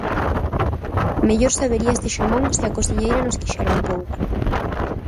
_Mellor sabería este xamón se a cociñeira nos quixera un pouco...